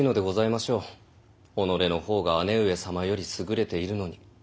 己の方が姉上様より優れているのに。